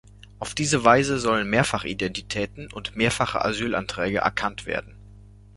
Auf diese Weise sollen Mehrfach-Identitäten und mehrfache Asylanträge erkannt werden.